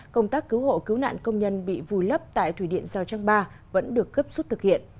công tác cứu hộ cứu nạn công nhân bị vùi lấp tại thủy điện giao trang ba vẫn được cấp xuất thực hiện